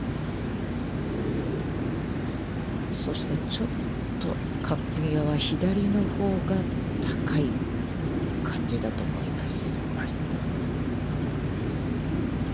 そしてちょっとカップ際左のほうが高い感じだと思います。